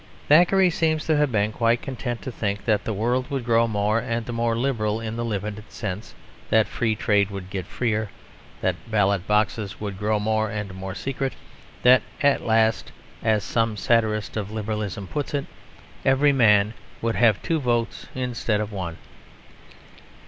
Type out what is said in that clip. Thackeray seems to have been quite content to think that the world would grow more and more liberal in the limited sense; that Free Trade would get freer; that ballot boxes would grow more and more secret; that at last (as some satirist of Liberalism puts it) every man would have two votes instead of one.